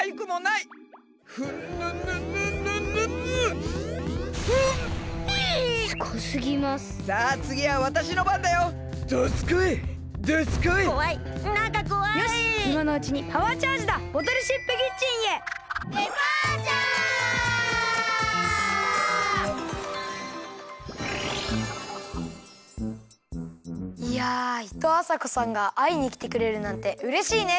いやいとうあさこさんがあいにきてくれるなんてうれしいね！